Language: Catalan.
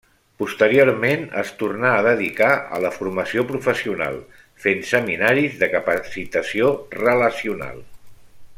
Posteriorment es tornà a dedicar a la formació professional, fent seminaris de capacitació relacional.